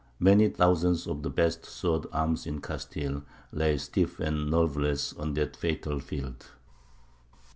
Many thousands of the best sword arms in Castile lay stiff and nerveless on that fatal field.